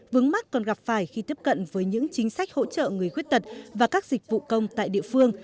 vướng mắt còn gặp phải khi tiếp cận với những chính sách hỗ trợ người khuyết tật và các dịch vụ công tại địa phương